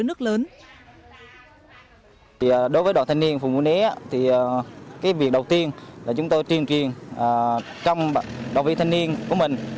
đối với đoàn thanh niên phùng mũi né việc đầu tiên là chúng tôi tuyên truyền trong đoàn viên thanh niên của mình